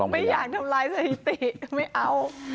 ไม่อยากทำลายสถิติไม่เอา